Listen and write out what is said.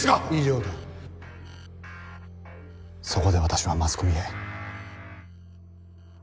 現在そこで私はマスコミへ。